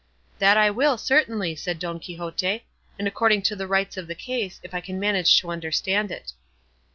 "That I will, certainly," said Don Quixote, "and according to the rights of the case, if I can manage to understand it."